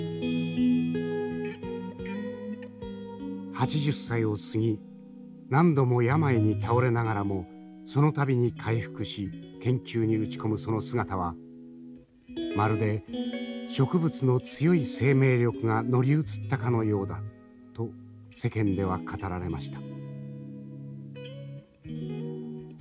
８０歳を過ぎ何度も病に倒れながらもその度に回復し研究に打ち込むその姿はまるで植物の強い生命力が乗り移ったかのようだと世間では語られました。